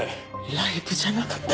ライブじゃなかった。